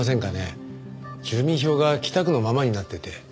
住民票が北区のままになってて。